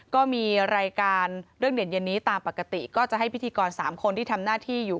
ก็มีรายการเรื่องเด่นเย็นนี้ตามปกติก็จะให้พิธีกร๓คนที่ทำหน้าที่อยู่